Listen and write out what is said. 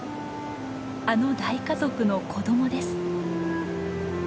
あの大家族の子どもです。